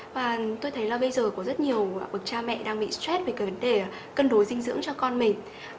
và tôi thấy là bây giờ có rất nhiều bậc cha mẹ đang bị stress về vấn đề cân đối dinh dưỡng cho con mình